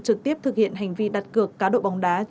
trực tiếp thực hiện hành vi đặt cược cá độ bóng đá